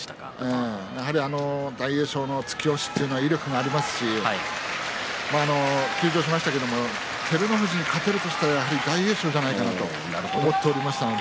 やはり大栄翔の突き押しは威力がありますし休場しましたけれど照ノ富士に勝てるとしたら大栄翔じゃないかなと思っておりました。